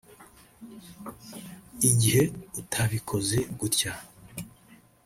Igihe utabikoze gutya